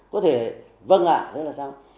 có thể vâng ạ thế là sao